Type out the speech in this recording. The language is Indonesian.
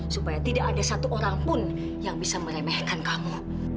supaya tidak ada satu orang pun yang bisa meremehkan kamu